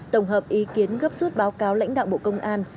tổng hợp ý kiến gấp rút báo cáo lãnh đạo bộ công an